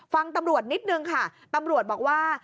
ฟังตำรวจนิดนึงค่ะตำรวจบอกว่า